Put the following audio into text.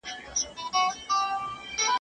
تاسو باید په خپلو کورونو کې خوندي پاتې شئ.